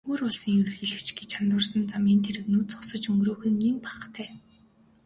Өөр улсын ерөнхийлөгч гэж андуурсан замын тэрэгнүүд зогсож өнгөрөөх нь нэн бахтай.